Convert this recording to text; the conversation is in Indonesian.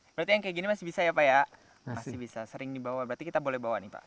berarti yang kayak gini masih bisa ya pak ya masih bisa sering dibawa berarti kita boleh bawa nih pak